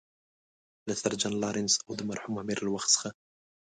له سر جان لارنس او د مرحوم امیر له وخت څخه.